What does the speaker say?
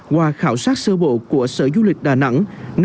qua khảo sát sơ bộ của sở du lịch đà nẵng